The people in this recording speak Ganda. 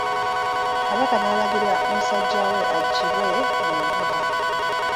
Kabaka n'alagira musajja we aggyibwe mu nvuba.